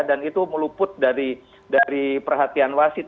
dan itu meluput dari perhatian wasit